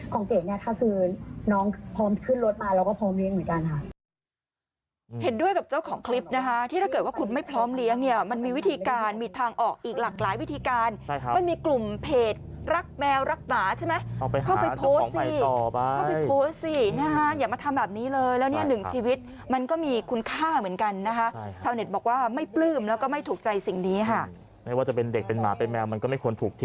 ของเด็กเนี่ยถ้าคุณน้องพร้อมขึ้นรถมาเราก็พร้อมเลี้ยงเหมือนกันค่ะ